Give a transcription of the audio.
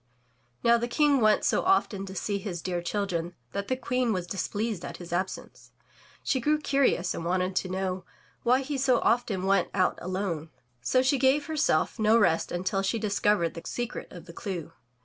363 MY BOOK HOUSE Now the King went so often to see his dear children that the Queen was displeased at his absence. She grew curious and wanted to know why he so often went out alone. So she gave herself no rest until she discovered the secret of the clew.